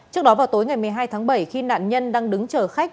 trước đó vào tối ngày một mươi hai tháng bảy khi nạn nhân đang đứng chở khách